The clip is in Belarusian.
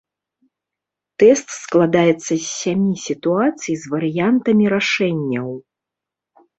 Тэст складаецца з сямі сітуацый з варыянтамі рашэнняў.